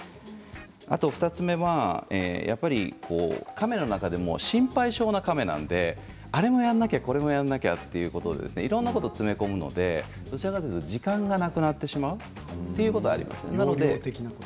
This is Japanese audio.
あと２つ目はやっぱり、かめの中でも心配性の、かめなのであれもやらなきゃこれもやらなきゃっていうことでいろいろなことを詰め込むのでどちらかというと時間がなくなってしまうということがあります。